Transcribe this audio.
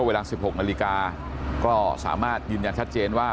เวลา๑๖นาฬิกาก็สามารถยืนยันชัดเจนว่า